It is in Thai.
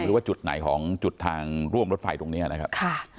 หรือว่าจุดไหนของจุดทางร่วมรถไฟตรงนี้นะครับ